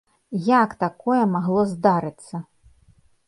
Як такое магло здарыцца?